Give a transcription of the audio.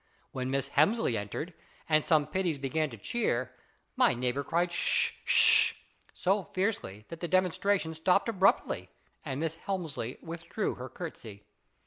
When Miss Helrnsley entered, and some pittites began to cheer, my neighbour cried " Sh sh " so fiercely that the demonstration stopped abruptly, and Miss Helmsley withdrew her curtsey.